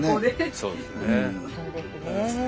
そうですね。